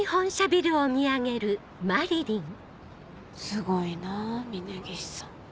すごいなぁ峰岸さん。